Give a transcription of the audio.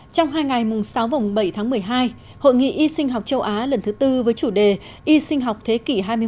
trong hai ngày mùng sáu và bảy tháng một mươi hai hội nghị y sinh học châu á lần thứ tư với chủ đề y sinh học thế kỷ hai mươi một